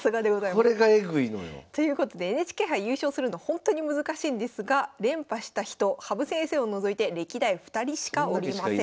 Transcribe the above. これがエグいのよ。ということでＮＨＫ杯優勝するのほんとに難しいんですが連覇した人羽生先生を除いて歴代２人しかおりません。